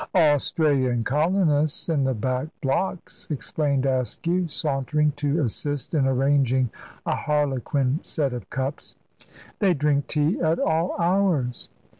"Australian colonists in the back blocks," explained Askew, sauntering to assist in arranging a harlequin set of cups. "They drink tea at all hours."